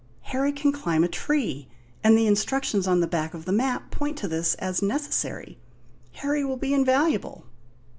"Harry can climb a tree, and the instructions on the back of the map point to this as necessary. Harry will be invaluable!"